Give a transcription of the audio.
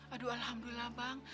aduh alhamdulillah bang